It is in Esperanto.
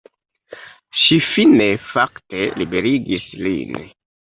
Ŝi fine fakte liberigis lin.